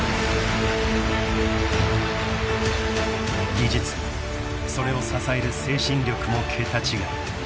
［技術もそれを支える精神力も桁違い］